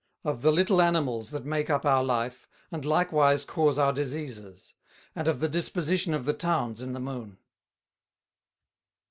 _Of the little Animals that make up our Life, and likewise cause our Diseases; and of the Disposition of the Towns in the Moon.